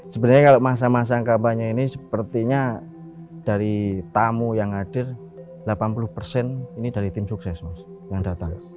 sebenarnya kalau masa masa kampanye ini sepertinya dari tamu yang hadir delapan puluh persen ini dari tim sukses mas yang datang